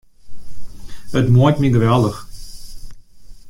It muoit my geweldich.